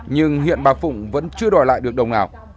nhưng hiện bà phụng vẫn chưa đòi lại được đồng nào